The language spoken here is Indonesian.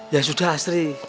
ya sudah astri